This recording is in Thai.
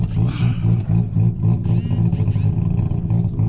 โปรดติดตามตอนต่อไป